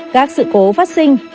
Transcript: các sự cố phát sinh